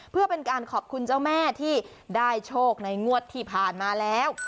เพื่อเป็นการขอบคุณเจ้าแม่ที่ได้โชคในงวดที่ผ่านมาแล้ว